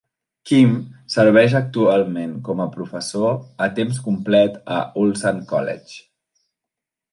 Kim serveix actualment com a professor a temps complet a Ulsan College.